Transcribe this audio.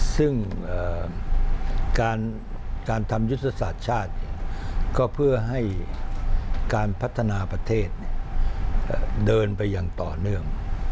ซึ่งการทำยุทธศาสตร์ชาติก็เพื่อให้การพัฒนาประเทศเดินไปอย่างต่อเนื่อง